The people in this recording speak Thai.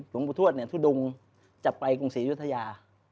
หลวงประทรวจทุดงจับไปกรุงเสียยุธยา